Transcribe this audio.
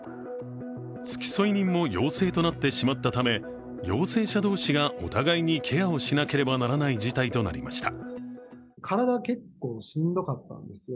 付添人も陽性者となってしまったため陽性者同士がお互いにケアをしなければならない事態となりました。